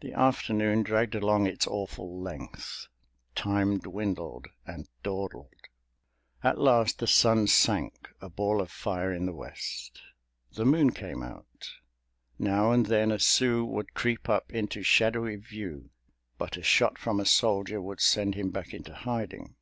The afternoon dragged along its awful length. Time dwindled and dawdled. At last the sun sank, a ball of fire in the West. The moon came out. Now and then a Sioux would creep up into shadowy view, but a shot from a soldier would send him back into hiding.